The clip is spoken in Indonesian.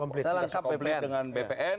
tidak sekomplit dengan bpn